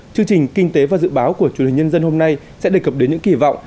chương trình kinh tế và dự báo của truyền hình nhân dân hôm nay sẽ đề cập đến những kỳ vọng